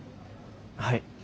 はい。